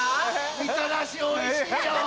みたらしおいしいよ。